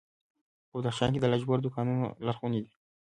په بدخشان کې د لاجوردو کانونه لرغوني دي